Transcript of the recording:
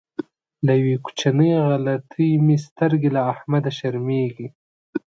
له یوې کوچنۍ غلطۍ مې سترګې له احمده شرمېږي.